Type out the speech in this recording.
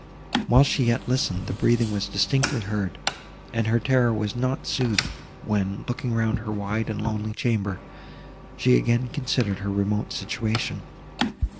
While she yet listened, the breathing was distinctly heard, and her terror was not soothed, when, looking round her wide and lonely chamber, she again considered her remote situation.